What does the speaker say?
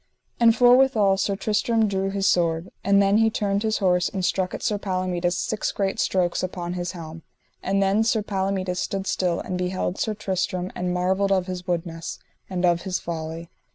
And forthwithal Sir Tristram drew his sword. And then he turned his horse and struck at Palomides six great strokes upon his helm; and then Sir Palomides stood still, and beheld Sir Tristram, and marvelled of his woodness, and of his folly.